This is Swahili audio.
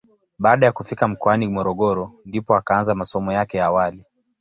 Baada ya kufika mkoani Morogoro ndipo akaanza masomo yake ya awali.